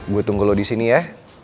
gue tunggu lo disini ya